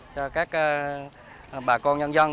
cho các bà con nhân dân